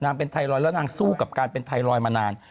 เป็นไทรอยด์แล้วนางสู้กับการเป็นไทรอยด์มานาน